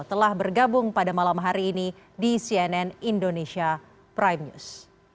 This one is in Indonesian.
telah bergabung pada malam hari ini di cnn indonesia prime news